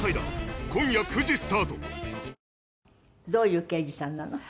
どういう刑事さんなの？